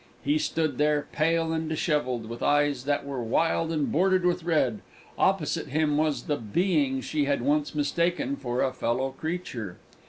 He stood there, pale and dishevelled, with eyes that were wild and bordered with red. Opposite to him was the being she had once mistaken for a fellow creature.